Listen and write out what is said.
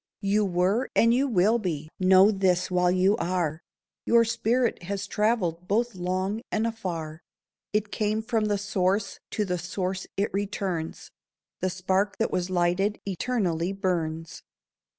You were, and you will be: know this while you are. Your spirit has travelled both long and afar. It came from the Source, to the Source it returns; The spark that was lighted, eternally burns.